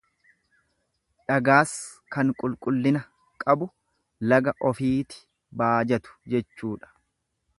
Dhagaas kan qulqullina qabu laga ofiiti baajatu jechuudha.